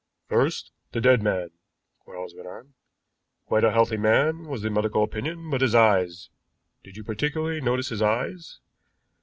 "First, the dead man," Quarles went on. "Quite a healthy man was the medical opinion but his eyes. Did you particularly notice his eyes?